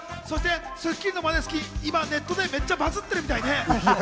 『スッキリ』のマネスキン、今、ネットでめっちゃバズってるみたいね。